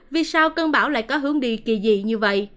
vì sao cơn bão lại có hướng đi kỳ dị như vậy